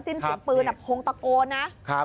สิ้นเสียงปืนพงตะโกนนะ